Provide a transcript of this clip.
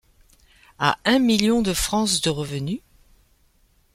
a un million de France de revenu ?